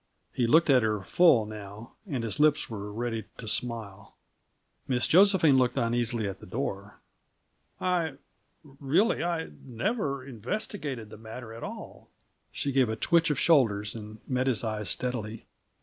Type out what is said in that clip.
He looked at her full, now, and his lips were ready to smile. Miss Josephine looked uneasily at the door. "I really, I never investigated the matter at all." She gave a twitch of shoulders and met his eyes steadily.